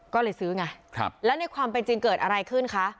ก็เลยซื้อไงแล้วในความเป็นจริงเกิดอะไรขึ้นคะ